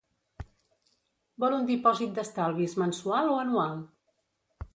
Vol un dipòsit d'estalvis mensual o anual?